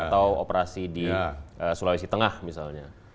atau operasi di sulawesi tengah misalnya